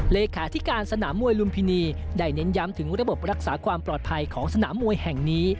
เลขาธิการสนามมวยลุมพินีได้เน้นย้ำถึงระบบรักษาความปลอดภัยของสนามมวยแห่งนี้